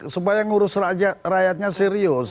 supaya ngurus rakyatnya serius